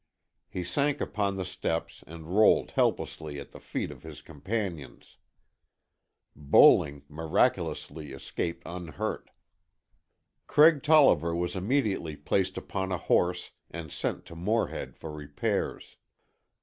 He sank upon the steps and rolled helplessly at the feet of his companions. Bowling miraculously escaped unhurt. Craig Tolliver was immediately placed upon a horse and sent to Morehead for repairs.